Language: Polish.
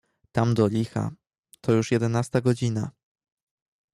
"Tam do licha, to już jedenasta godzina."